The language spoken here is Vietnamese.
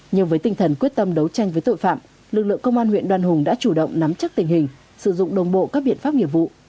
nhưng với tinh thần quyết tâm đấu tranh với tội phạm lực lượng công an huyện đoan hùng đã chủ động nắm chắc tình hình sử dụng đồng bộ các biện pháp nghiệp vụ